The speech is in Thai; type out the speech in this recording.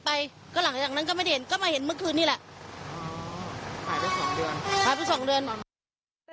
ไปก็หลังจากนั้นก็ไม่เห็นก็ไม่เห็นเมื่อคืนนี่แหละ